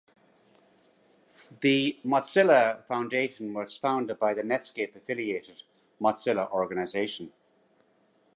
The Mozilla Foundation was founded by the Netscape-affiliated Mozilla Organization.